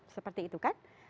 seperti itu kan